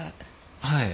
はい。